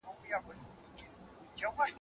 له ازل څخه یې لار نه وه میندلې